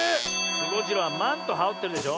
スゴジロウはマントはおってるでしょ。